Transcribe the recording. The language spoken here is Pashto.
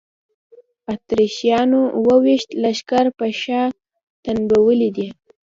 اتریشیانو اوه ویشتم لښکر په شا تنبولی دی.